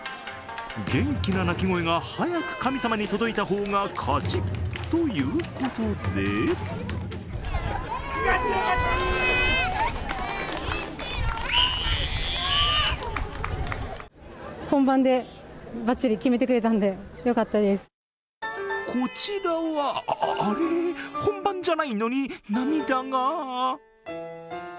元気な泣き声が早く神様に届いた方が勝ち、ということでこちらはあ、あれ本番じゃないのに涙が。